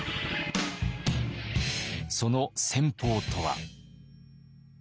その戦法とは。